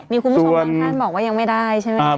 มีคุณผู้ชมบางท่านบอกว่ายังไม่ได้ใช่ไหมครับ